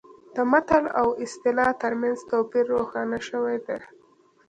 د متل او اصطلاح ترمنځ توپیر روښانه شوی دی